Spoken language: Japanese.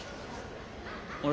あれ？